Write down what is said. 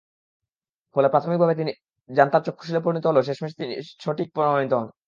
ফলে প্রাথমিকভাবে তিনি জান্তার চক্ষুশূলে পরিণত হলেও শেষমেশ তিনিই সঠিক প্রমাণিত হন।